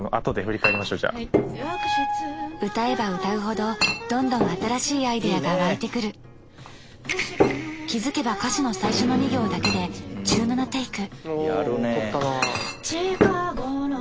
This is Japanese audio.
歌えば歌うほどどんどん新しいアイデアが湧いてくる気付けば歌詞の最初の２行だけで１７テイク